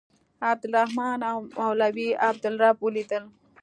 عبدالرحمن او مولوي عبدالرب ولیدل.